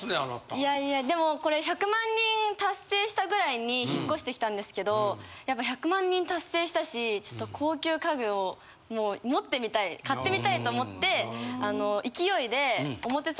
いやいやでもこれ１００万人達成したぐらいに引っ越してきたんですけどやっぱ１００万人達成したしちょっと高級家具を持ってみたい買ってみたいと思ってあの勢いで。